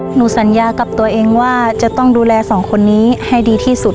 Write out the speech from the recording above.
หนูสัญญากับตัวเองว่าจะต้องดูแลสองคนนี้ให้ดีที่สุด